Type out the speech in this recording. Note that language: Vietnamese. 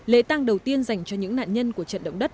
lễ tăng đầu tiên dành cho những nạn nhân của trận động đất